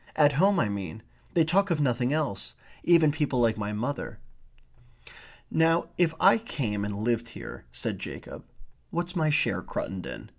At home, I mean. They talk of nothing else. Even people like my mother." "Now if I came and lived here " said Jacob. "What's my share, Cruttendon?